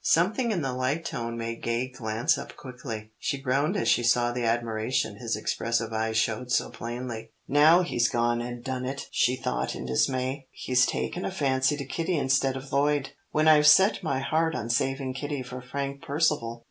Something in the light tone made Gay glance up quickly. She groaned as she saw the admiration his expressive eyes showed so plainly. "Now he's gone and done it!" she thought in dismay. "He's taken a fancy to Kitty instead of Lloyd, when I've set my heart on saving Kitty for Frank Percival.